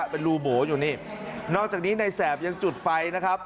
เป็นรูโบอยู่นี่นอกจากนี้ในแสบยังจุดไฟนะครับ